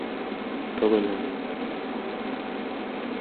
Todo el año.